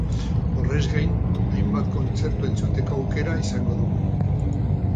Horrez gain, hainbat kontzertu entzuteko aukera izango dugu.